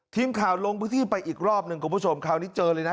ทีมข่าวลงพื้นที่ไปอีกรอบหนึ่งคุณผู้ชมคราวนี้เจอเลยนะ